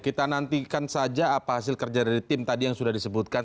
kita nantikan saja apa hasil kerja dari tim tadi yang sudah disebutkan